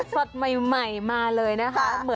สดใหม่มาเลยนะคะ